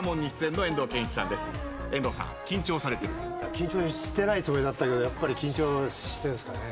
緊張してないつもりだったけどやっぱり緊張してるんすかね。